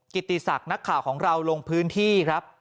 กิติศักดิ์นักข่าวของเราลงพื้นที่ครับ